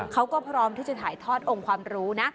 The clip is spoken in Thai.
เขาก็พร้อมที่จะถ่ายทอดองค์ความรู้นะ